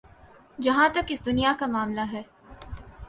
جہاں تک اس دنیا کا معاملہ ہے۔